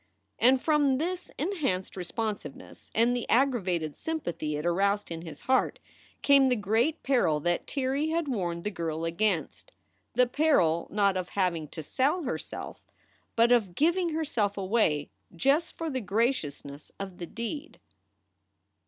And from this enhanced responsiveness and the aggra vated sympathy it aroused in his heart came the great peril that Tirrey had warned the girl against the peril not of having to sell herself, but of giving herself away just for the graciousness of the deed.